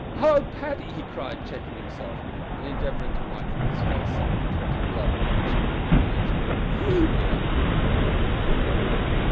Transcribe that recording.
"Hallo, Paddy!" he cried, checking himself, and endeavouring to wipe from his face some of the clotted blood with which he had been deluged. "You here? Are you alone?"